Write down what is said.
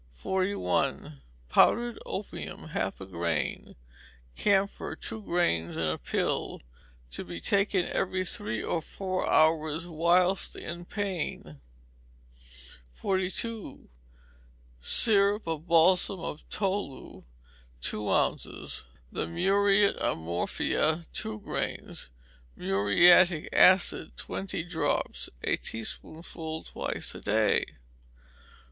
41. Powdered opium, half a grain; camphor, two grains in a pill; to be taken every three or four hours whilst in pain. 42. Syrup of balsam of tolu, two ounces; the muriate of morphia, two grains; muriatic acid, twenty drops: a teaspoonful twice a day.